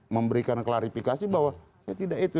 memberikan klarifikasi bahwa saya tidak itu